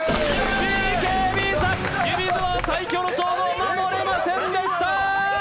ＢＫＢさん、指相撲最強の称号を守れませんでした！